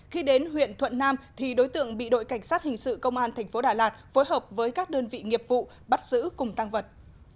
khi đến huyện thuận nam thì đối tượng bị đội cảnh sát hình sự công an tp đà lạt phối hợp với các đơn vị nghiệp vụ bắt giữ cùng tăng vật